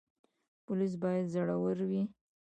پولیس باید زړور وي